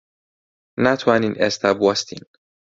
ناتوانین ئێستا بوەستین.